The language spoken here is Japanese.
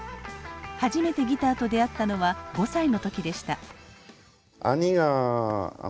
初めてギターと出会ったのは５歳の時でした。